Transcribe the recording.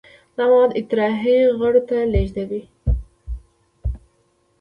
دا مواد اطراحي غړو ته لیږدوي.